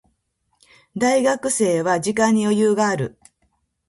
大学生は時間に余裕がある。